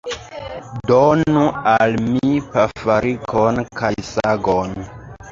Donu al mi pafarkon kaj sagon.